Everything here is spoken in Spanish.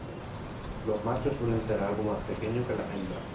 Los machos suelen ser algo más pequeños que las hembras.